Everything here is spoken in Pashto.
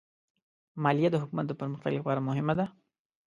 مالیه د حکومت د پرمختګ لپاره مهمه ده.